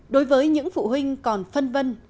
đối với những phụ huynh còn phân vân